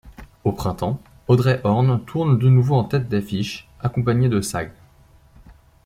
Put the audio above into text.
Au printemps Audrey Horne tourne de nouveau en tête d'affiche accompagné de Sahg.